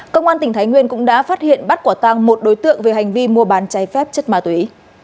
công an tỉnh thái nguyên cũng đã phát hiện bắt quả tăng một đối tượng về hành vi mua bán cháy phép chất ma túy